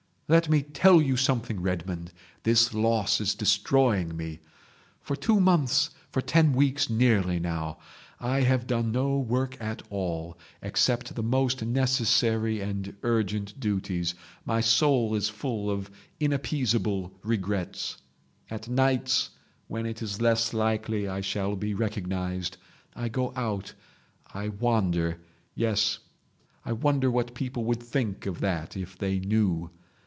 "Let me tell you something, Redmond. This loss is destroying me. For two months, for ten weeks nearly now, I have done no work at all, except the most necessary and urgent duties. My soul is full of inappeasable regrets. At nights—when it is less likely I shall be recognised—I go out. I wander. Yes. I wonder what people would think of that if they knew.